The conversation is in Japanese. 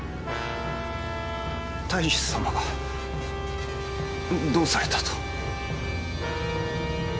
太守様がどうされたと？